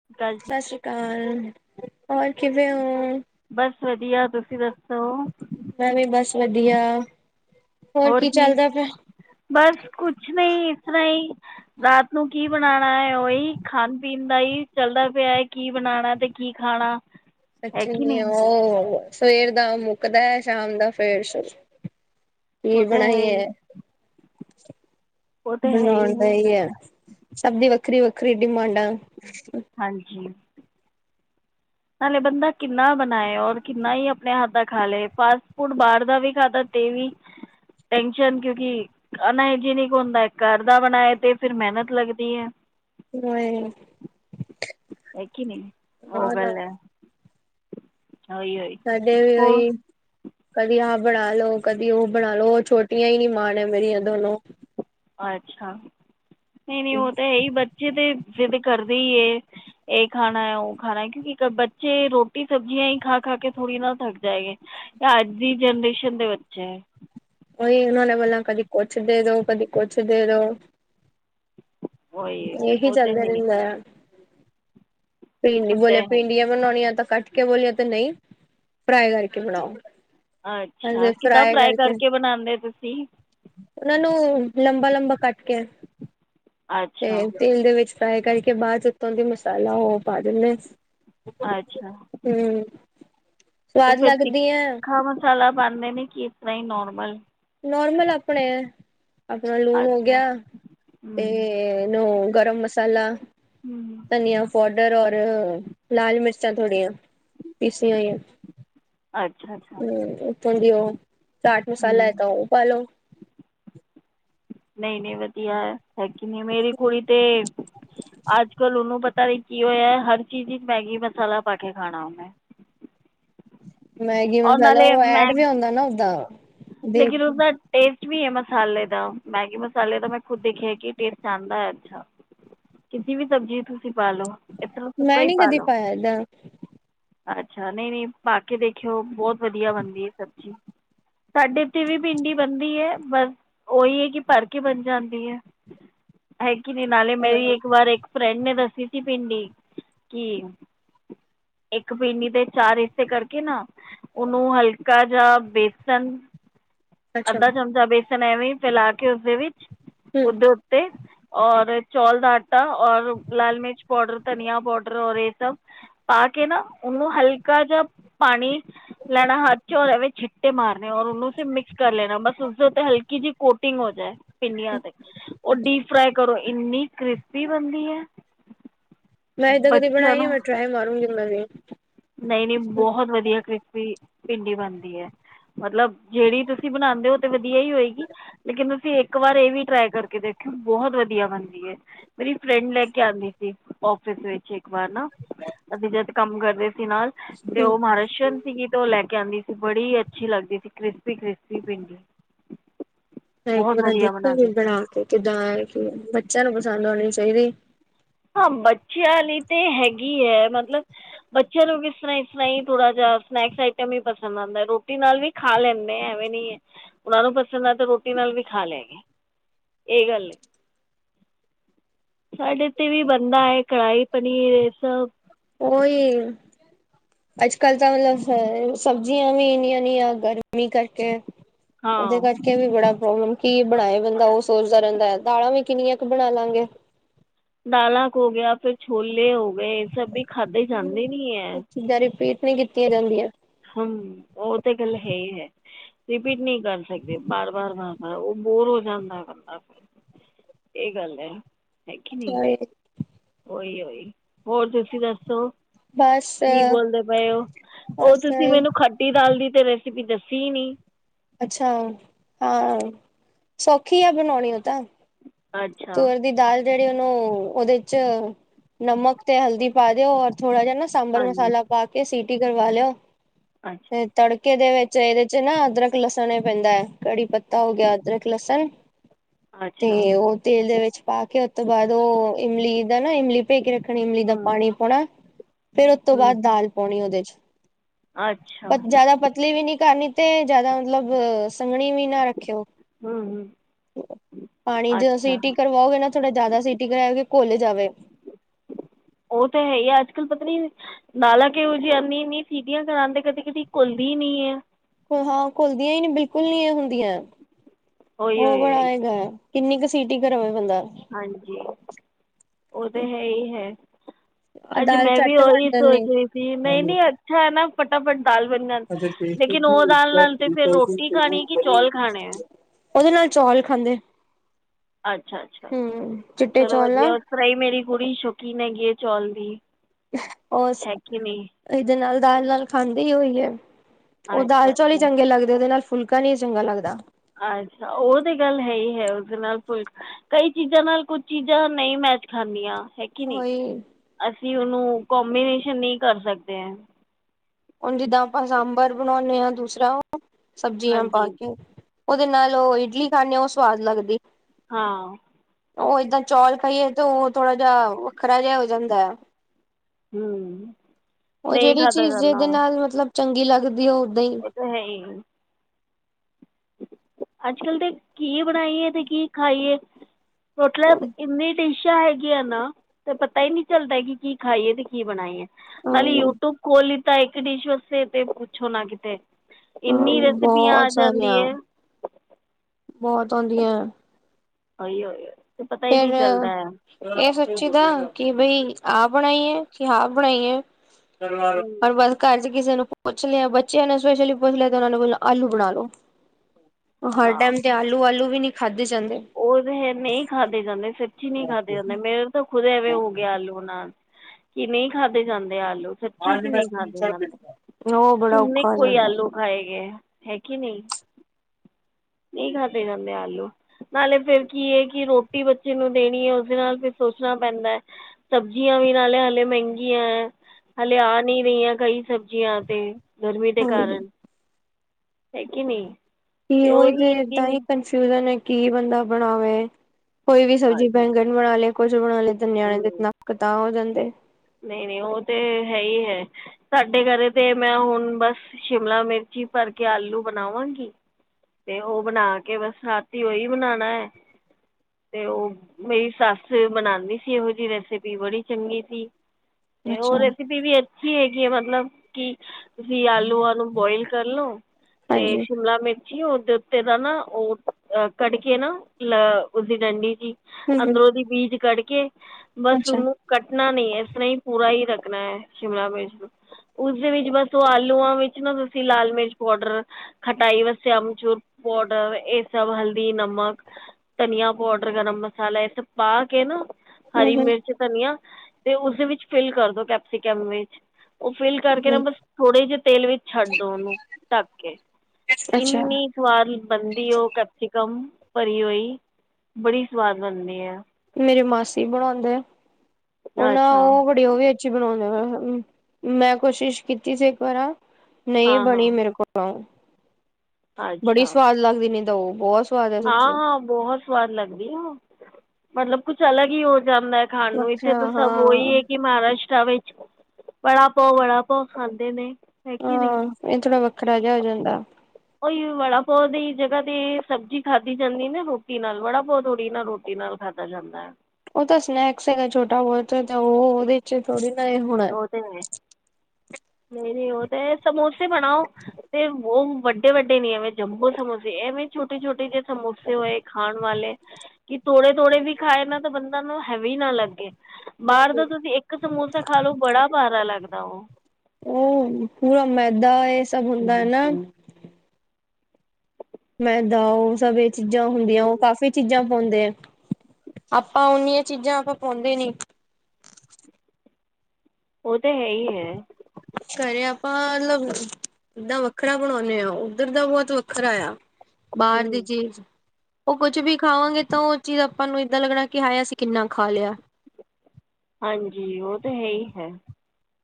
[unintelligible] [unintelligible] ਸਤਿ ਸ਼੍ਰੀ ਅਕਾਲ ਹੋਰ ਕਿਵੇਂ ਹੋ? ਬਸ, ਵਧੀਆ ਤੁਸੀਂ ਦੱਸੋ। ਮੈਂ ਵੀ ਬਸ ਵਧੀਆ। ਹੋਰ ਕੀ ਬਸ ਕੁਛ ਨਹੀਂ ਇਸ ਤਰਾਂ ਹੀ। ਰਾਤ ਨੂੰ ਕੀ ਬਣਾਉਣਾ ਹੈ ਉਹੀ ਖਾਣ ਪੀਣ ਦਾ ਹੀ ਚਲਦਾ ਪਿਆ ਹੈ ਕੀ ਬਣਾਉਣਾ ਤੇ ਕੀ ਖਾਣਾ ਹੈ ਅੱਚ ਕਿ ਨੀ ਨਹੀਂ ਉਹ ਸਵੇਰ ਦਾ ਮੁੱਕਦਾ ਏ, ਸ਼ਾਮ ਦਾ ਫੇਰ ਸ਼ੁਰੂ ਕੀ ਉਹ ਤਾਂ ਹੈ ਹੀ ਬਣਾਈਏ। ਉਹ ਤਾਂ ਹੈ ਹੀ ਬਣਾਉਣ ਦਾ ਏ ਹੈ, ਸਭ ਦੀ ਵੱਖਰੀ ਵੱਖਰੀ ਡਿਮਾਂਡਾਂ ਹਾਂਜੀ। ਨਾਲੇ ਬੰਦਾ ਕਿੰਨਾ ਬਣਾਏ, ਔਰ ਕਿੰਨਾ ਹੀ ਆਪਣੇ ਹੱਥ ਦਾ ਖਾ ਲਏ, ਫਾਸਟ ਫੂਡ ਬਾਹਰ ਦਾ ਵੀ ਖਾ ਤੇ ਵੀ, ਟੈਂਸ਼ਨ ਕਿਉਂਕਿ ਖਾਣਾ ਹਾਈਜੈਨਿਕ ਹੁੰਦਾ ਏ, ਘਰ ਦਾ ਬਣਾਏ ਤੇ ਫਿਰ ਮਿਹਨਤ ਲੱਗਦੀ ਹੈ। ਓਏ। ਹੈਕੇ ਨੀ, ਉਹ ਗੱਲ ਹੈ। ਉਹੀ ਉਹੀ ਸਾਡੇ ਵੀ ਹੋਰ ਉਹੀ ਕਦੀ ਆਹ ਬਣਾ ਲੋ, ਕਦੀ ਉਹ ਬਣਾ ਲੋ ਉਹ ਛੋਟੀਆਂ ਹੀ ਨੀ ਮਾਨ ਹੈ ਮੇਰੀਆਂ ਦੋਨੋ। ਅੱਛਾ ਨਹੀਂ, ਨਹੀਂ ਉਹ ਤਾਂ ਹੈ ਹੀ ਬੱਚੇ ਤੇ ਜਿੱਦ ਕਰਦੇ ਹੀ ਏ। ਇਹ ਖਾਣਾ ਹੈ ਉਹ ਖਾਣਾ ਹੈ ਕਿਉਂਕਿ ਬੱਚੇ ਰੋਟੀ ਸਬਜ਼ੀਆਂ ਹੀ ਖਾ ਖਾ ਕੇ ਥੋੜ੍ਹੀ ਨਾ ਥਕ ਜਾਏਗੇ। ਏ ਅੱਜ ਦੀ ਜਨਰੇਸ਼ਨ ਦੇ ਬੱਚੇ ਹੈ। ਉਹੀ ਉਹਨਾਂ ਨੇ ਬੋਲਾਂ ਕਦੀ ਕੁਛ ਦੇ ਦੋ ਕਦੀ ਕੁਛ ਦੇ ਦੋ। ਉਹੀ ਹੈ ਇਹੀ ਉਹ ਤਾਂ ਚੱਲਦਾ ਹੈ ਹੀ ਰਹਿੰਦਾ ਆ, ਉਹ ਪਿੰਡੀ ਤਾਂ ਬੋਲਿਆ ਹੈ ਹੀ। ਪਿੰਡੀਆਂ ਬਣੋਣੀਆਂ ਤਾਂ ਕੱਟ ਕੇ ਬੋਲੀਏ ਤੇ ਨਹੀਂ ਫਰਾਈ ਕਰਕੇ ਬਣਾਓ। ਅੱਛਾ, ਕਿੱਦਾਂ ਫਰਾਈ ਕਰਕੇ ਬਣਾਉਦੇ ਤੁਸੀਂ? ਉਹਨਾਂ ਨੂੰ ਲੰਬਾ ਲੰਬਾ ਕੱਟ ਕੇ। ਤੇ ਅੱਛਾ ਤੇਲ ਦੇ ਵਿੱਚ ਫਰਾਈ ਕਰਕੇ ਬਾਅਦ ਚ ਉਤੋਂ ਦੀ ਮਸਾਲਾ ਉਹ ਪਾ ਦਿੰਦੇ ਹਾਂ ਅੱਛਾ ਹਮ ਅਤੇ ਸਵਾਦ ਫਿਰ ਲੱਗਦੀ ਹੈ ਤਿੱਖਾ ਮਸਾਲਾ ਪਾਉਂਦੇ ਨਹੀਂ ਇਸ ਤਰ੍ਹਾਂ ਹੀ ਨੋਰਮਲ ਨੋਰਮਲ ਆਪਣੇ ਆਪਣਾ ਲੂਣ ਅੱਛਾ ਹੋਗਿਆ ਹੂੰ ਤੇ ਨੂੰ ਗਰਮ ਮਸਾਲਾ ਹਮ ਧਨੀਆ ਪੋਡਰ ਔਰ ਲਾਲ ਮਿਰਚਾਂ ਥੋੜੀਆਂ ਪੀਸੀਆਂ ਹੋਈਆਂ ਅੱਛਾ ਅੱਛਾ ਹਮ ਉਤੋਂ ਦੀ ਓਹ ਚਾਟ ਮਸਾਲਾ ਹੈ ਹੂੰ ਤਾ ਉਹ ਪਾਲੋ ਨਹੀਂ ਨਹੀਂ ਵਧੀਆ ਹੈ [unintelligible] ਨਹੀਂ ਮੇਰੀ ਕੁੜੀ ਤੇ ਅੱਜ ਕਲ ਉਹਨੂੰ ਪਤਾ ਵੀ ਕੀ ਹੋਇਆ ਹਰ ਚੀਜ਼ [unintelligible] ਮੈਗੀ ਮਸਾਲਾ ਪਾ ਕੇ ਖਾਣਾ ਉਹਨੇ ਮੈਗੀ ਔਰ ਮਸਾਲਾ ਨਾਲੇ ਉਹ ਮੈਂ ਐਡ ਵੀ [unintelligible] ਨਾ ਓਦਾਂ ਲੇਕਿਨ ਦੇਖ [unintelligible] ਟੇਸਟ ਵੀ ਹੈ ਮਸਾਲੇ ਦਾ ਮੈਗੀ ਮਸਾਲੇ ਦਾ ਮੈਂ ਖੁਦ ਦੇਖਿਆ ਕਿ ਟੇਸਟ ਆਂਦਾ ਹੈ ਅੱਛਾ ਕਿਸੀ ਵੀ ਸਬਜ਼ੀ ਤੁਸੀਂ ਪਾਲੋ ਇਸ ਤਰ੍ਹਾਂ ਸੁੱਕਾ ਹੀ ਪਾਲੋ [unintelligible] ਹੈਗਾ ਅੱਛਾ ਨਹੀਂ ਨਹੀਂ ਪਾ ਕੇ ਦੇਖਿਓ ਬਹੁਤ ਵਧੀਆ ਬਣਦੀ ਹੈ ਸਬਜ਼ੀ ਸਾਡੇ ਐਤੇ ਵੀ ਭਿੰਡੀ ਬਣਦੀ ਹੈ ਬਸ ਉਹੀ ਹੈ ਕਿ ਭਰ ਕੇ ਬਣ ਜਾਂਦੀ ਹੈ ਹੈ ਕਿ ਨਹੀ ਨਾਲੇ ਔਰ ਮੇਰੀ ਇੱਕ ਵਾਰ ਇੱਕ ਫਰੈਂਡ ਨੇ ਦੱਸੀ ਸੀ ਪਿੰਡੀ ਕਿ ਇੱਕ ਭਿੰਡੀ ਦੇ ਚਾਰ ਹਿੱਸੇ ਕਰਕੇ ਨਾ ਉਹਨੂੰ ਹਲਕਾ ਜਾਂ ਬੇਸਨ ਅੱਛਾ ਅੱਧਾ ਚਮੱਚਾ ਬੇਸਨ ਐਵੇਂ ਫੈਲਾ ਕੇ ਉਸਦੇ ਵਿੱਚ ਹੂੰ ਦੇ ਉਤੇ ਔਰ ਚੌਲ ਦਾ ਆਟਾ ਔਰ ਲਾਲ ਮਿਰਚ ਪਾਊਡਰ ਧਨੀਆਂ ਪਾਊਡਰ ਔਰ ਇਹ ਸਭ ਪਾ ਕੇ ਨਾ ਉਹਨੂੰ ਹਲਕਾ ਜਾ ਪਾਣੀ ਲੈਣਾ ਹੱਥ ਚ ਔਰ ਐਵੇਂ ਛਿੱਟੇ ਮਾਰਨੇ ਔਰ ਉਹਨੂੰ ਮਿਕਸ ਕਰ ਲੈਣਾ ਬਸ ਉਸਦੇ ਉਤੇ ਹਲਕੀ ਜਿਹੀ ਕੋਟਿੰਗ ਹੋ ਜਾਏ ਭਿੰਡੀਆਂ ਤੇ ਉਹ ਡੀਪ ਫਰਾਈ ਕਰੋ ਇੰਨੀ ਕ੍ਰਿਸਪੀ ਬਣਦੀ ਹੈ ਮੈਂ ਇੱਦਾਂ ਕਦੀ ਬੱਚਿਆਂ ਬਣਾਈ ਹੈ ਨੂੰ ਮੈਂ ਟਰਾਈ ਮਾਰੂਂਗੀ ਮੈਂ ਵੀ ਨਹੀਂ ਨਹੀਂ ਬਹੁਤ ਵਧੀਆ ਕ੍ਰਿਸਪੀ ਪਿੰਡੀ ਬਣਦੀ ਹੈ ਮਤਲਬ ਜਿਹੜੀ ਤੁਸੀਂ ਬਣਾਉਂਦੇ ਹੋ ਤੇ ਵਧੀਆ ਹੀ ਹੋਏਗੀ ਲੇਕਿਨ ਤੁਸੀਂ ਇੱਕ ਵਾਰ ਇਹ ਵੀ ਟਰਾਈ ਕਰਕੇ ਦੇਖਿਓ ਬਹੁਤ ਵਧੀਆ ਬਣਦੀ ਹੈ ਮੇਰੀ ਫਰੈਂਡ ਲੈ ਕੇ ਆਉਂਦੀ ਸੀ ਔਫਿਸ ਵਿੱਚ ਇੱਕ ਵਾਰ ਨਾ [inaudible] ਅਸੀ ਜਦ ਕੰਮ ਕਰਦੇ ਸੀ ਨਾਲ ਤੇ ਹੂੰ ਉਹ ਮਾਰਸ਼ਲ [unintelligible] ਸੀਗੀ ਤੇ ਉਹ ਲੈ ਕੇ ਆਉਂਦੀ ਸੀ ਬੜੀ ਅੱਛੀ ਲੱਗਦੀ ਸੀ ਕ੍ਰਿਸਪੀ ਕ੍ਰਿਸਪੀ ਪਿੰਡੀ ਮੈਂ ਇੱਕ ਵਾਰੀ ਦੇਖੁਗੀ ਵੀ ਬਣਾ ਕੇ ਕਿੱਦਾਂ ਹੈ ਕੀ ਬੱਚਿਆਂ ਨੂੰ ਪਸੰਦ ਆਉਣੀ ਚਾਹੀਦੀ ਹਾਂ ਬੱਚਿਆਂ ਲਈ ਤੇ ਹੈਗੀ ਹੈ ਮਤਲਬ ਬੱਚਿਆਂ ਨੂੰ ਵੀ ਡੀਪ ਫਰਾਈ [unintelligible] ਨਹੀ ਥੋੜਾ ਜਿਹਾ ਸਨੈਕਸ ਆਈਟਮ ਹੀ ਪਸੰਦ ਆਉਂਦਾ ਰੋਟੀ ਨਾਲ ਵੀ ਖਾ ਲੈਂਦੇ ਐਵੇਂ ਨੀ ਹੈ ਉਹਨਾਂ ਨੂੰ ਪਸੰਦ ਆ ਤੇ ਰੋਟੀ ਨਾਲ ਵੀ ਖਾ ਲੈਗੇ ਇਹ ਗੱਲ ਏ ਸਾਡੇ ਇਥੇ ਵੀ ਬਣਦਾ ਹੈ ਕੜਾਹੀ ਪਨੀਰ ਇਹ ਸਭ ਉਹ ਹੀ ਅੱਜ ਕੱਲ ਤਾਂ ਮਤਲੱਬ ਸਬਜ਼ੀਆਂ ਵੀ ਇੰਨੀਆਂ ਨਹੀਂ ਆ ਗਰਮੀਂ ਕਰਕੇ ਉਹਦੇ ਹਾਂ ਕਰਕੇ ਇਹ ਵੀ ਬੜਾ ਪ੍ਰੋਬਲਮ ਕੀ ਬਣਾਏ ਬੰਦਾ ਉਹ ਸੋਚਦਾ ਰਹਿੰਦਾ ਹੈ ਦਾਲਾਂ ਵੀ ਕਿੰਨੀਆਂ ਕੁ ਬਣਾ ਲਾਂਗੇ ਦਾਲਾਂ ਹੋ ਗਿਆ ਫਿਰ ਛੋਲੇ ਹੋ ਗਏ ਇਹ ਸਭ ਵੀ ਖਾਧੇ ਜਾਂਦੇ ਨੀ ਹੈ ਚੀਜ਼ਾਂ ਰਿਪੀਟ ਨਹੀਂ ਕੀਤੀਆਂ ਜਾਂਦੀਆਂ ਹੁਣ ਉਹ ਤੇ ਗੱਲ ਹੈ ਹੀ ਹੈ ਰਿਪੀਟ ਨਹੀਂ ਕਰ ਸਕਦੇ ਬਾਰ ਬਾਰ ਉਹ ਬੋਰ ਹੋ ਜਾਂਦਾ ਬੰਦਾ ਫਿਰ ਇਹ ਗੱਲ ਹੈ। ਹੈ ਕਿ ਨੀ ਉਹੀ ਓਹੀ ਹੋਰ ਤੁਸੀਂ ਦੱਸੋ ਬਸ ਕੀ ਬੋਲਦੇ ਪਏ ਹੋ ਉਹ ਬਸ ਤੁ ਖੱਟੀ ਦਾਲ ਦੀ ਤੇ ਰੈਸਿਪੀ ਦੱਸੀ ਨੀਂ। ਅੱਛਾ ਹਾਂ ਸੌਖੀ ਆ ਬਣਾਉਣੀ ਉਹ ਤਾਂ। ਅੱਛਾ ਚੋਲ ਦੀ ਦਾਲ। ਜਿਹੜੇ ਉਹਨੂੰ ਉਹਦੇ ਚ ਨਮਕ ਤੇ ਹਲਦੀ ਪਾ ਦਿਓ ਔਰ ਥੋੜਾ ਜਿਹਾ ਨਾ। ਸਾਂਬਰ ਹਾਂਜੀ ਮਸਾਲਾ ਪਾ ਕੇ ਸੀਟੀ ਮਰਵਾ ਲਿਉ। ਅੱਛਾ। ਤੇ ਤੜਕੇ ਦੇ ਵਿੱਚ ਇਹਦੇ ਚ ਨਾ ਅਦੱਰਕ ਲਸਣ ਇਹ ਪੈਂਦਾ ਹੈ ਕੜੀ ਪੱਤਾ ਹੋ ਗਿਆ ਅਦੱਰਕ ਲਸਣ। ਤੇ ਅੱਛਾ। ਉਹ ਤੇਲ ਦੇ ਵਿੱਚ ਪਾ ਕੇ ਉਸ ਤੋਂ ਬਾਅਦ ਉਹ ਇਮਲੀ ਦਾ ਨਾ ਇਮਲੀ ਭੇ ਕੇ ਰੱਖਣਾ ਇਮਲੀ ਦਾ ਹੂੰ ਪਾਣੀ ਪਾਉਣਾ। ਫਿਰ ਉ ਤੋਂ ਹੂੰ ਬਾਅਦ ਹੂੰ, ਦਾਲ ਪਾਉਣੀ ਉਹਦੇ ਚੱ ਅੱਛਾ ਪਰ ਜ਼ਿਆਦਾ ਪਤਲੀ ਵੀ ਨਹੀਂ ਕਰਨੀ। ਤੇ ਜ਼ਿਆਦਾ ਮਤਲੱਬ ਸੰਘਣੀ ਵੀ ਨਾ ਰੱਖਿਓ। ਹੂੰ ਹੂੰ ਪਾਣੀ ਚੱ ਅਸੀਂ। ਅੱਛਾ ਕਰਵਾਓਗੇ ਨਾ ਥੋੜ੍ਹਾ ਜ਼ਿਆਦਾ ਸਿਟੀ ਕਰਾ ਕੇ ਘੁੱਲ ਜਾਵੇ। ਉਹ ਤਾਂ ਹੈ ਹੀ ਅੱਜ ਕੱਲ ਪਤਾ ਨੀ ਦਾਲਾ ਕਿਉ ਜਿਹੀ ਆਂਦੀ ਨੇ ਸੀਟੀਆਂ ਕਰਾਂਦੇ ਕਦੇ ਕਦੇ ਘੁੱਲਦੀ ਨੀ ਹੈ। ਹਾਂ ਘੁੱਲਦੀਆਂ ਹੀ ਨਹੀਂ ਬਿਲਕੁੱਲ ਨੀ ਇਹ ਹੁੰਦੀਆਂ ਉਹੀ ਹੋ ਉਹੀ ਬੜਾ ਉਹੀ ਹੈਗਾ ਹੈ। ਕਿੰਨੀ ਕੁ ਸੀਟੀ ਕਰਾਵੇ ਬੰਦਾ। ਹਾਂਜੀ ਉਹ ਤੇ ਹੈ ਹੀ ਹੈ। ਆਹ ਅੱਜ ਦਾਲ ਮੈਂ ਵੀ ਚੱਟ ਬਣ ਉਹੀ ਸੋਚ ਜਾਂਦੀ ਰਹੀ ਸੀ ਨਹੀਂ ਨਹੀਂ ਅੱਛਾ ਨਾ ਫਟਾਫਟ। ਦਾਲ ਬਣ ਲੇਕਿਨ ਉਹ ਦਾਲ ਨਾਲ ਤੇ ਫੇਿਰ ਰੋਟੀ ਖਾਣੀ ਹੈ ਕਿ ਚੌਲ ਖਾਣੇ ਹੈ। ਉਹਦੇ ਨਾਲ ਚੌਲ ਖਾਂਦੇ। ਅੱਛਾ ਅੱਛਾ ਹੂੰ ਚਿੱਟੇ ਚਲੋ ਚੌਲ ਵਧੀਆ ਨਾਲ ਉਸ ਤਰ੍ਹਾਂ ਹੀ ਮੇਰੀ ਕੁੜੀ ਸ਼ੌਕੀਨ ਹੈਗੀ ਹੈ ਚੌਲ ਦੀ। ਹੈ ਕਿ ਨਹੀਂ ਇਹਦੇ ਨਾਲ ਦਾਲ ਨਾਲ ਖਾਂਦੀ ਹੀ ਹੋਈ ਹੈ। ਉਹ ਅੱਛਾ ਦਾਲ ਚੌਲ ਹੀ ਅੱਛਾ ਚੰਗੇ ਲੱਗਦੇ ਉਹਦੇ ਨਾਲ ਫੁਲਕਾ ਨੀ ਚੰਗਾ ਲੱਗਦਾ। ਅੱਛਾ ਉਹ ਤੇ ਗੱਲ ਹੈ ਹੀ ਹੈ ਉਸਦੇ ਨਾਲ ਭੁਲ ਕਈ ਚੀਜ਼ਾਂ ਨਾਲ ਕੁੱਝ ਚੀਜ਼ਾਂ ਨਹੀਂ ਮੈਂਚ ਖਾਂਨੀਆਂ। ਕਿ ਨਹੀਂ ਉਹੀ ਅਸੀਂ ਉਹਨੂੰ ਕੌਮੀਨਸ਼ੀਓਂ ਨਹੀਂ ਕਰ ਸਕਦੇ ਹੈ। ਹੁਣ ਜਿੱਦਾਂ ਆਪਾਂ ਸਾਂਬਰ ਬਣਾਉਂਨੇ ਹਾਂ ਦੂਸਰਾ ਉਹ ਸਬਜ਼ੀਆਂ ਪਾ ਹਾਂਜੀ ਕੇ। ਉਹਦੇ ਨਾਲ ਉਹ ਇਡਲੀ ਖਾਂਦੇ ਉਹ ਸਵਾਦ ਲੱਗਦੀ। ਹਾਂ। ਉਹ ਏਦਾਂ ਚੌਲ ਖਾਈਏ ਤੇ ਉਹ ਥੋੜਾ ਜਿਹਾ ਵੱਖਰਾ ਜਿਹਾ ਹੋ ਜਾਂਦਾ ਹੈ। ਹੁੰ ਨਹੀਂ ਖਾਧਾ ਜਾਂਦਾ। ਮਤਲੱਬ ਚੰਗੀ ਲੱਗਦੀ ਉੱਦਾਂ ਹੀ। ਇਹ ਤਾ ਹੈਏ। [unintelligible] ਅੱਜ ਕੱਲ ਤੇ ਕੀ ਬਣਾਈਏ ਤੇ ਕੀ ਖਾਈਏ ਮਤਲੱਬ ਇੰਨੀ। ਡਿਸ਼ਾਂ ਹੈਗੀਆਂ ਨਾ ਤੇ ਪਤਾ ਹੀ ਨਹੀਂ ਚੱਲਦਾ ਕਿ ਕੀ ਖਾਈਏ ਤੇ ਕੀ ਬਣਾਈਏ। ਨਾਲ ਯੋਊ ਟੂਬ ਕੋੋਲ ਤਾਂ ਇੱਕ ਡਿਸ਼ ਵਾਸਤੇ ਤੇ ਪੁੱਛੋਂ ਨਾ ਕਿਤੇ। ਇੰਨੀ ਰੈਸਪੀਆਂ ਆ ਬਹੁਤ ਜਾਂਦੀ ਸਾਰੀਆਂ ਹੈ। ਬਹੁਤ ਆਉਂਦੀਆਂ ਹੇ। ਆ ਆ। ਫਿਰ ਇਹ ਸੋਚੀ ਦਾ ਕਿ ਬਈ ਆਪ ਬਣਾਈ ਹੈ ਕਿ ਆਪ ਬਣਾਈ ਹੈ। ਹਮ, ਰ ਬਸ ਘਰ ਚ ਕਿਸੇ ਨੂੰ ਪੁੱਛ ਲਿਆ ਬੱਚਿਆਂ ਨੂੰ ਸਪੈਸ਼ਲੀ ਪੁੱਛ ਲਿਆ ਤੇ ਉਹਨਾ ਨੇ ਬੋਲਣਾ ਆਲੂ ਬਣਾ ਲੋੋ। ਹਰ ਟਾਈਮ ਦੇ ਹਾਂ ਆਲੂ ਆਲੂ ਵੀ ਨਹੀਂੀ ਖਾਧੇ ਜਾਂਦੇ। ਉਹ ਨਹੀਂ ਖਾਦੇ ਜਾਂਦੇ ਸਚੀ ਨਹੀਂ ਖਾਦੇ ਜਾਂਦੇ ਮੇਰ। ਤਾਂ ਖੁਦ ਐਵੇਂ ਹੋ ਗਿਆ ਆਲੂ ਨਾਲ ਕੀ ਨਹੀਂ ਖਾਧੇ ਜਾਂਦੇ ਆਲੂ। ਸੱਚੀ ਚ ਨਹੀਂ ਖਾਦੇ ਜਾਂਦੇ ਉਹ ਬੜਾ ਕਿੰਨੇ ਔਖਾ ਹੋ ਕੋਈ ਜਾਂਦਾ ਆਲੂ ਖਾਏ ਗਏ ਹੈ ਕੇ ਨਹੀਂ ਨਹੀਂ ਖਾਦੇ ਜਾਂਦੇ ਆਲੂ। ਨਾਲੇ ਫੇਰ ਕੀ ਏ, ਕਿ ਰ੍ਹੋਟੀ ਬੱਚੇ ਨੂੰ ਦੇਣੀ ਏ, ਉਸਦੇ ਨਾਲ ਫਿਰ ਸੋਚਣਾ ਪੈਂਦਾ ਸਬਜ਼ੀਆਂ ਵੀ ਨਾਲੇ ਹਲੇ ਮਹਿੰਗੀਆਂ ਐ, ਹਲੇ ਆ ਨਹੀਂ ਰਹੀਆਂ ਕਈ ਸਬਜ਼ੀਆਂ ਤੇ। ਗਰਮੀ ਦੇ ਕਾਰਨ, ਹੈ ਕਿ ਨਹੀਂ। ਕੀ ਅਤੇ ਓਹੀ ਤੇ, ਉਹੀ ਹੈ ਕਿ ਤਾਂਈ ਪੰ ਕੰਨਫਉਜਨ ਏ ਕੀ ਬੰਦਾ ਬਣਾਵੇ, ਕੋਈ ਵੀ ਸਬਜ਼ੀ ਬੈਂਗਣ ਬਣਾਲੇ, ਕੁਛ ਬਣਾਲੇ ਨਿਆਣੇ ਤੇ ਇਤਨਾ ਕਤਾ ਹੋ ਜਾਂਦੇ। ਨਹੀਂ-ਨਹੀਂ, ਓਹ ਤੇ, ਹੈਹੀ ਹੈ। ਸਾਡੇ ਘਰੇ ਤੇ, ਮੈਂ ਹੁਣ ਬਸ ਸ਼ਿਮਲਾ ਮਿਰਚੀ, ਭਰਕੇ ਆਲੂ ਬਣਾਵਾਂਗੀ। ਤੇ ਉਹ ਬਣਾਕੇ ਬਸ, ਰਾਤੀ ਓਹੀ ਬਣਾਣਾ ਹੈ। ਤੇ ਉਹ, ਮੇਰੀ ਸੱਸ ਬਣਾਂਦੀ ਸੀ, ਇਹੋ ਜਿਹੀ ਰੈਸਿਪੀ ਬੜੀ ਚੰਗੀ ਸੀ। ਤੇ ਅੱਛਾ ਉਹ, ਰੈਸਿਪੀ ਵੀ ਅੱਛੀ ਹੇਗੀ, ਮਤਲਬ ਕਿ ਤੁਸੀਂ ਆਲੂਆਂ ਨੂੰ ਬੌਈਲ ਕਰਲੋ, ਤੇ ਹਾਂਜੀ ਸ਼ਿਮਲਾ ਮਿਰਚੀ ਓਸਦੇ ਉੱਤੇ ਦਾ ਨਾ, ਉਹ ਕਢਕੇ ਨਾ, ਲ ਉਸਦੀ ਡੰਡੀ ਜੀ ਹਮ ਹਮ ਅੰਦਰੋਂ ਦੀ ਬੀਜ ਕੱਢਕੇ ਬਸ ਅੱਛਾ ਉਹਨੂੰ ਕੱਟਣਾ ਨੀ ਏ, ਇਸ ਤਰ੍ਹਾਂ ਹੀ ਪੂਰਾ ਹੀ ਰੱਖਣਾ ਹੈ, ਸ਼ਿਮਲਾ ਮਿਰਚ ਨੂੰ। ਉਸਦੇ ਵਿੱਚ ਬਸ ਉਹ ਆਲੂਆਂ ਵਿੱਚ ਨਾ, ਤੁਸੀਂ ਲਾਲ ਮਿਰਚ ਪਾਊਡਰ ਖਟਾਈ ਵਾਸਤੇ ਅਮਚੂਰ ਪੋਡਰ ਇਹ ਸਭ, ਹਲਦੀ,, ਨਮਕ ਧਨੀਆ ਪੋਡਰ, ਗਰਮ ਮਸਾਲਾ ਇਹ ਸਭ ਪਾਕੇ ਨਾ ਹਰੀ ਹਮ ਮਿਰਚ, ਧਨੀਆ ਤੇ ਉਸਦੇ ਵਿੱਚ ਫਿਲ ਕਰਦੋ ਕੈਪਸੀਕਮ ਵਿੱਚ। ਉਹ ਫਿਲ ਕਰਕੇ ਨਾ ਹਮ ਬਸ, ਥੋੜੇ ਜਿਹੇ ਤੇਲ ਵਿੱਚ ਛੱਡਦੋ ਉਹਨੂੰ, ਢੱਕ ਕੇ, ਅੱਛਾ ਇੰਨੀ ਸਵਾਦ ਬਨਦੀ ਉਹ ਕੈਪਸੀਿਕਮ, ਭਰੀ ਹੋਈ, ਬੜੀ ਸਵਾਦ ਬਣਦੀ ਐ। ਮੇਰੀ ਮਾਸੀ ਬਣਾਉਂਦੇ, ਉਹ ਨਾ ਅੱਛਾ ਉਹ ਉਹ ਵੀ ਅੱਛੀ ਬਣਾਉਂਦੇ ਹ ''ਮੈਂ ਕੋਸ਼ਿਸ਼ ਕੀਤੀ ਸੀ ਇੱਕ ਵਾਰਾ ਨਹੀਂ ਹਾਂ ਬਣੀ ਹਾਂ ਮੇਰੇ ਕੋਲੋਂ, ਬੜੀ ਸਵਾਦ ਲੱਗਦੀ ਨਹੀਂ ਤਾ ਉਹ, ਬਹੁਤ ਸਵਾਦ ਹੈ ਸਬਜ਼ੀ ਹਾਂ-ਹਾਂ, ਬਹੁਤ ਸਵਾਦ ਲੱਗਦੀ ਆ, ਮਤਲਬ ਕੁਛ ਅਲੱਗ ਹੀ ਹੋ ਜਾਂਦਾ ਖਾਣ ਨੂੰ ਵੀ ਵੱਖਰਾ ਤੋਂ, ਸਭ ਉਹੀ ਹਾਂ ਏ, ਕਿ ਮਹਾਰਾਸ਼ਟਰਾ ਵਿੱਚ। ਬੜਾ-ਪਾਓ, ਵੜਾ-ਪਾਓ ਖਾਂਦੇ ਨੇ, ਹੈ ਕੀ ਨਹੀਂ? ਹਾਂ ਇਹ ਥੋੜਾ ਵੱਖਰਾ ਜਿਹਾ ਹੋ ਜਾਂਦਾ। ਓਹੀ ਵੜਾ-ਪਾਓ ਦੀ ਜਗ੍ਹਾ ਤੇ ਸਬਜ਼ੀ ਖਾਧੀ ਜਾਂਦੀ ਨਾ ਰ੍ਹੋਟੀ ਨਾਲ, ਵੜਾ-ਪਾਵ ਥੋੜੀ ਨਾ ਰ੍ਹੋ ਸਬਜੀ ਨਾਲ ਖਾਧਾ ਜਾਂਦਾ। ਉਹ ਤਾਂ ਸਨੈਕਸ ਹੈਗਾ ਛੋਟਾ ਬਹੁਤ, ਜਾਂ, ਉਹ ਉਹਦੇ'ਚ ਥੋੜੀ ਨਾ, ਏ ਹੋਣਾ। ਤੇ [unintelligible] ਨਹੀਂ-ਨਹੀ ਉਹਦੇ, ਸਮੋਸੇ ਬਣਾਓ। ਤੇ, ਉਹ ਵੱਡੇ-ਵੱਡੇ ਨੀ ਐਵੇਂ ਜੰਬੋ ਸਮੋਸੇ, ਐਵੇਂ ਛੋਟੇ-ਛੋਟੇ ਜਿਹੇ ਸਮੋਸੇ ਹੋਏ। ਖਾਣ ਵਾਲੇ, ਕਿ ਤੋੜੇ-ਤੋੜੇ ਵੀ ਖਾਏ ਨਾ, ਤਾਂ ਬੰਦਾ ਨਾ ਹੈਵੀ ਨਾ ਲੱਗੇ। ਬਾਹਰ ਦਾ ਤੁਸੀਂ ਇੱਕ ਸਮੋਸਾ ਖਾਲੋ, ਬੜਾ ਭਾਰਾ ਲੱਗਦਾ ਉਹ। ਉਂਹ, ਪੂਰਾ ਮੈਦਾ ਇਹ ਸਭ ਹੁੰਦਾ ਹੈ, ਨਾ। ਮੈਦਾ ਉਹ ਸਭ, ਇਹ ਚੀਜ਼ਾਂ ਹੁੰਦੀਆਂ ਹੂੰ, ਉਹ ਕਾਫੀ ਚੀਜ਼ਾਂ ਪਾਉਂਦੇਨ, ਆਪਾਂ ਓਨੀਆਂ ਚੀਜ਼ਾਂ ਆਪਾਂ ਪਾਉਂਦੇ ਨੀ। ਉਹ ਤਾ, ਹੈਹੀ ਹੈ। ਗਏ ਆਪਾਂ, ਲਬ ਏਦਾਂ ਵੱਖਰਾ ਬਣਾਉਂਨੇ ਆ, ਉੱਧਰ ਦਾ ਬਹੁਤ ਵੱਖਰਾ ਯਾ, ਬਾਹਰ ਦੀ ਹੂੰ, ਚੀਜ਼ ਉਹ ਕੁਝ ਵੀ ਖਾਵਾਂਗੇ ਤਾਂ ਉਹ ਚੀਜ਼ ਆਪਾਂ ਨੂੰ ਇੱਦਾਂ ਲੱਗਣਾ ਕਿ, ਹਾਏ ਅਸੀਂ ਕਿੰਨਾ ਖਾਲਿਆ। ਹਾਂਜੀ, ਉਹ ਤਾ ਹੈਹੀ ਹੈ।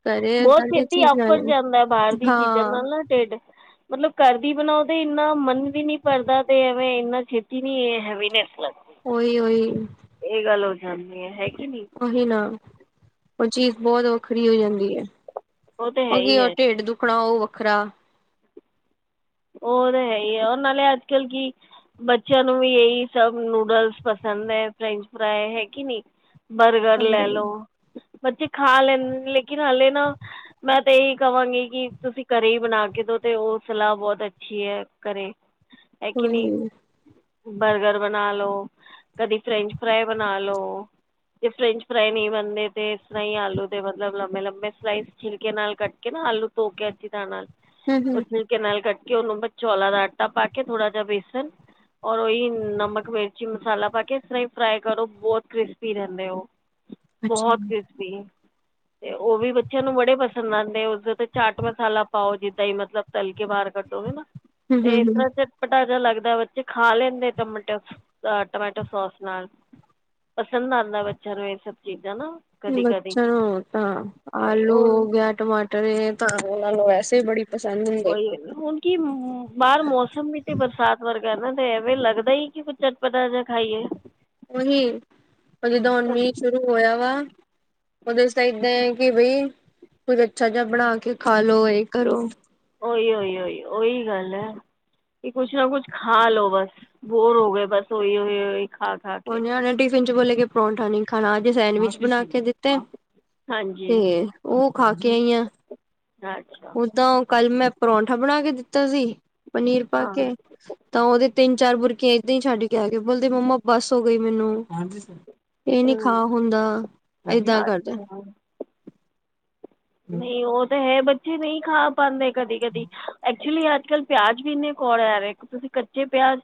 ਘਰੇ ਬਹੁਤ ਏਦਾਂ ਦੀ ਛੇਤੀ ਚੀਜ਼ ਨਾਲ ਅੱਫਰ ਜਾਂਦਾ, ਬਾਹਰ ਦੀ ਚੀਜ਼ਾਂ ਹਾਂ ਨਾਲ ਨਾ ਢਿੱਡ। ਮਤਲਬ ਘਰਦੀ ਬਣਾਓ, ਤੇ ਇੰਨਾ ਮਨ ਵੀ ਨੀ ਭਰਦਾ ਤੇ, ਐਵੇਂ ਇੰਨਾ ਛੇਤੀ ਨੀ ਹੈਵੀ ਨੀ ਹੁੰਦਾ। ਓਈ, ਓਈ। ਇਹ ਗੱਲ ਹੋ ਜਾਂਦੀ ਏ, ਹੈ ਕਿ ਨਹੀਂ। ਓਹੀ ਨਾ, ਉਹ ਚੀਜ਼ ਬਹੁਤ ਵੱਖਰੀ ਹੋ ਜਾਂਦੀ ਏ। ਤਾਂ ਹੈ ਉਹ ਕੀ ਹੀ ਉਹ, ਹੈ ਢਿੱਡ ਦੁੱਖਣਾ, ਉਹ ਵੱਖਰਾ। ਉਹ ਤਾਂ ਹੈ, ਉਹ ਨਾਲੇ ਅੱਜ- ਕੱਲ ਕੀ ਬੱਚਿਆਂ ਨੂੰ ਵੀ ਇਹੀ ਸਭ ਨੂਡਲਸ ਪਸੰਦ ਹੈ ਫਰੈਂਚ ਫਰਾਈ ਹੈ ਕਿ ਨਹੀਂ ਬਰਗਰ ਹਮ ਲੈ ਲਓ, ਬੱਚੇ ਖਾ ਲੈਂਦੇ ਲੇਕਿਨ ਹਾਲੇ ਨਾ ਮੈਂ ਤੇ ਇਹੀ ਕਹਾਂਗੀ, ਕਿ ਤੁਸੀਂ ਘਰੇ ਹੀ ਬਣਾ ਕੇ ਦੋ ਤੇ ਉਹ ਸਲਾਹ ਬਹੁਤ ਅੱਛੀ ਹੈ ਘਰੇ, ਹੈ ਕਿ ਨਹੀਂ ਹਮ ਬਰਗਰ ਬਣਾ ਲੋ, ਕਦੀ ਫਰੈਂਚ ਫ੍ਰਾਈ ਬਣਾ ਲੋ ਜੇ ਫਰੈਂਚ ਫਰਾਈ ਨਹੀਂ ਬਣਦੇ ਤੇ ਇਸ ਤਰ੍ਹਾਂ ਹੀ ਆਲੂ ਦੇ ਮਤਲਬ ਲੰਮੇ ਲੰਬੇ ਸਲਾਈਸ ਛਿਲਕੇ ਨਾਲ ਕੱਟ ਕੇ ਨਾ ਆਲੂ ਧੋ ਕੇ ਅੱਛੀ ਤਰਾਂ ਨਾਲ, ਉਹ ਛਿਲਕੇ ਨਾਲ ਕੱਟ ਕਿ ਉਹਨੂੰ ਮੈਂ ਚੌਲਾ ਦਾ ਆਟਾ ਪਾ ਕੇ ਥੋੜਾ ਜਿਹਾ ਬੇਸਣ ਔਰ ਉਹੀ ਨਮਕ, ਮਿਰਚੀ ਮਸਾਲਾ ਪਾ ਕੇ ਇਸ ਤਰ੍ਹਾਂ ਹੀ ਫਰਾਈ ਕਰੋ ਬਹੁਤ ਕ੍ਰਿਸਪੀ ਰਹਿੰਦੇ ਉਹ ਅੱਛਾ ਬਹੁਤ ਹਮ ਕਿਰਸਪੀ ਤੇ ਉਹ ਵੀ ਬੱਚਿਆਂ ਨੂੰ ਬੜੇ ਪਸੰਦ ਆਉਂਦੇ ਉਸਦੇ ਤੇ ਚਾਟ ਮਸਾਲਾ ਪਾਓ ਜਿੱਦਾਂ ਹੀ ਮਤਲਬ ਤਲ ਕੇ ਬਾਹਰ ਕੱਢੋ ਵੀ ਨਾ, ਤੇ ਇਸ ਹਮ ਤਰ੍ਹਾਂ ਹਮ 'ਚ ਪਟਾਜ਼ਾ ਲੱਗਦਾ, ਬੱਚੇ ਖਾ ਲੈਂਦੇ ਟਮਾਟੋ, ਟਮਾਟੋ ਸੋਸ ਨਾਲ ਪਸੰਦ ਆਉਂਦਾ ਬੱਚਿਆਂ ਨੂੰ ਇਹ ਸਭ ਚੀਜ਼ਾਂ ਨਾ ਕਦੀ ਕਦੀ ਬੱਚਿਆਂ ਨੂੰ ਤਾਂ ਉਹੀ ਆਲੂ ਹੁਣ ਹੋ ਗਿਆ ਟਮਾਟਰ ਇਹ ਤਾਂ ਉਹਨਾਂ ਨੂੰ ਵੈਸੇ ਬੜੀ ਪਸੰਦ ਹੁੰਦੇ ਉਹੀ, ਹੁਣ ਕੀ ਬਾਹਰ ਮੌਸਮ ਵੀ ਤੇ ਬਰਸਾਤ ਵਰਗਾ ਨਾ ਐਵੇਂ ਲੱਗਦਾ ਹੀ ਕਿ ਕੁੱਝ ਚਟਪਟਾ ਜਾਂ ਖਾਈਏ ਉਹੀ ਹੁਣ ਜਿਦਾਣ ਤਾਂ ਮੀਂਹ ਸ਼ੁਰੂ ਹੋਇਆ ਵਾ ਉਹਦੇ 'ਚ ਤਾਂ ਏਦਾਂ ਹੈ ਕਿ ਬਈ, ਕੁਝ ਅੱਛਾ ਜਿਹਾ ਬਣਾ ਕੇ ਖਾਲੋ, ਇਹ ਕਰੋ ਓਹੀ ਓਹੀ ਓਹੀ ਉਹੀ ਗੱਲ ਹੈ ਕੀ ਕੁੱਛ ਨਾ ਕੁੱਛ ਖਾ ਲੋ ਬਸ ਬੋਰ ਹੋ ਗਏ ਬਸ ਓਹੀ-ਓਹੀ-ਓਹੀ ਖਾ ਖਾ ਕੇ ਉੰਝ ਇਹਨੇ ਟਿਫਿਨ ਚ ਬੋਲੇ ਕੇ ਪਰੌਂਠਾ ਨੀ ਖਾਣਾ, ਅੱਜ ਸੈਂਡਵਿਚ ਬਣਾ ਕੇ ਦਿੱਤੇ। ਤੇ ਹਾਂਜੀ ਏ, ਓ ਖਾਕੇ ਆਈ ਆਂ। [inaudible] ਤਾਂ ਓ ਕੱਲ ਮੈਂ ਪਰੌਂਠਾ ਬਣਾ ਕੇ ਦਿੱਤਾ ਸੀ, ਪਨੀਰ ਪਾ ਹਾਂ ਕੇ। ਤਾਂ ਓਹਦੇ ਤਿੰਨ- ਚਾਰ ਬੁਰਕੀਆਂ ਏਦਾਂ ਈ ਛੱਡ ਕੇ ਆ ਕੇ ਬੋਲਦੇ ਮੰਮਾ ਬੱਸ ਹੋ ਗਈ ਮੈਨੂੰ। ਇਹ ਨੀ ਖਾ ਹੁੰਦਾ, ਏਦਾਂ ਕਰਦਾ। ਅੱਛਾ ਨਹੀ ਓ ਤਾਂ ਹੈ, ਬੱਚੇ ਨਹੀ ਖਾ ਪਾਂਦੇ ਕਦੀ-ਕਦੀ ਐਕਚੁਲੀ ਅੱਜ ਕੱਲ ਪਿਆਜ ਵੀ ਇੰਨੇ ਕੋੜੇ ਆ ਰਹੇ, ਤੁਸੀਂ ਕੱਚੇ ਪਿਆਜ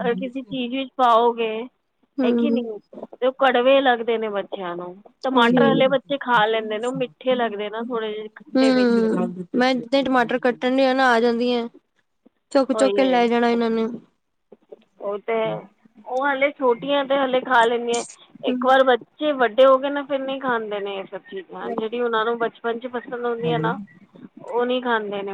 ਅਗਰ ਕਿਸੇ ਚੀਜ਼ ਵਿੱਚ ਪਾਓਗੇ ਹੈਗੀ ਨੀ, ਹੂੰ ਤੇ ਉਹ ਕੜਵੇ ਲੱਗਦੇ ਨੇ ਬੱਚਿਆਂ ਨੂੰ ਉਹੀ ਟਮਾਟਰ ਹਲੇ ਹੂੰ ਬੱਚੇ ਖਾ ਲੈਂਦੇ ਨੇ, ਉਹ ਮਿੱਠੇ ਲੱਗਦੇ ਨਾ ਥੋੜੇ ਜਿਹੇ, ਖੱਟੇ -ਮੀਠੇ ਮੈਂ ਜਿੱਦਾਂ ਟਮਾਟਰ ਕੱਟਣ ਡ ਆ ਨਾ ਆ ਜਾਂਦੀਆਂ ਚੁੱਕ ਉਹੀ -ਚੁੱਕ ਕੇ ਲੈ ਉਹੀ ਜਾਣਾ ਇਹਨਾਂ ਨੇ ਉਹ ਤੇ ਹੈ, ਉਹ ਹਲੇੇ ਛੋਟੀਆਂ ਤੇ ਹਲੇੇ ਖਾ ਲੈਂਦੀਆਂ, ਇੱਕ ਵਾਰ ਹੂੰ ਬ ਜੇ ਵੱਡੇ ਹੋ ਗਏ ਨਾ, ਫਿਰ ਨਹੀਂ ਖਾਂਦੇ ਨੇ ਇਹ ਸਭ ਚੀਜ਼ ਜਿਹੜੀ ਉਹਨਾ ਨੂੰ ਬਚਪਨ 'ਚ ਪਸੰਦ ਹੁੰਦੀ ਆ ਨਾ, ਉਹ ਨਹੀਂ ਖਾਂਦੇ ਨੇ ਉਹ